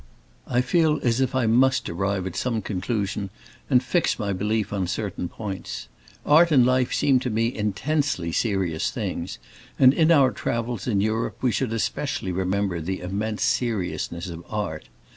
I feel as if I must arrive at some conclusion and fix my belief on certain points. Art and life seem to me intensely serious things, and in our travels in Europe we should especially remember the immense seriousness of Art.